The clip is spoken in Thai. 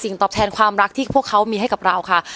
ตอบแทนความรักที่พวกเขามีให้กับเราค่ะ